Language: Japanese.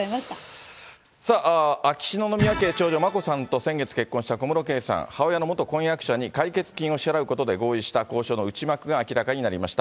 さあ、秋篠宮家長女、眞子さんと、先月結婚した小室圭さん、母親の元婚約者に解決金を支払うことで合意した交渉の内幕が明らかになりました。